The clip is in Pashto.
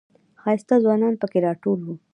ښایسته ځوانان پکې راټول و.